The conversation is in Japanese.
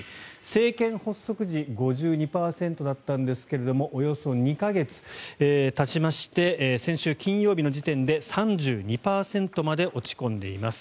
政権発足時５２％だったんですがおよそ２か月たちまして先週金曜日の時点で３２％まで落ち込んでいます。